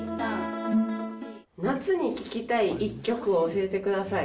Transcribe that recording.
夏に聴きたい一曲を教えてください。